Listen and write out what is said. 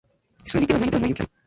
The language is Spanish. Es un líquido muy inflamable.